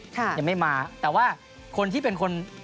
ยังไม่มาแต่ว่าคนที่เป็นคน